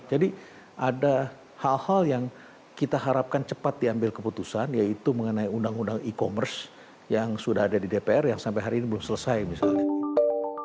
jadi ada hal hal yang kita harapkan cepat diambil keputusan yaitu mengenai undang undang e commerce yang sudah ada di dpr yang sampai hari ini belum selesai misalnya